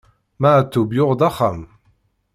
Maɛṭub yuɣ-d axxam.